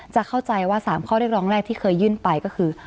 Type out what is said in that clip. จะเข้าใจว่า๓ข้อเรียกร้องแรกที่เคยยื่นไปก็คือ